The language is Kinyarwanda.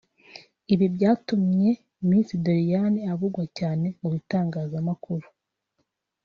Ibi byatumye Miss Doriane avugwa cyane mu bitangazamakuru